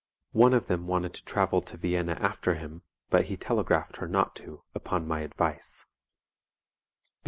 One of them wanted to travel to Vienna after him, but he telegraphed her not to, upon my advice.